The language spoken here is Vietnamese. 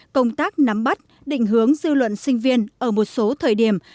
công tác nắm bắt định hướng dư luận sinh viên ở một số thời điểm